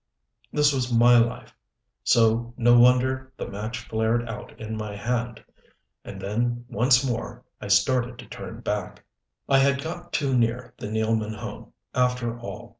This was my life, so no wonder the match flared out in my hand. And then once more I started to turn back. I had got too near the Nealman home, after all.